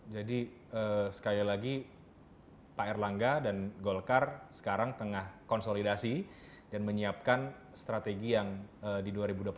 sekali lagi pak erlangga dan golkar sekarang tengah konsolidasi dan menyiapkan strategi yang di dua ribu dua puluh empat